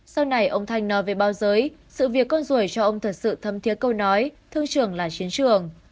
sau này ông thanh nói về bao giới sự việc con ruồi cho ông thật sự thâm thiế câu nói thương trường là chiến trường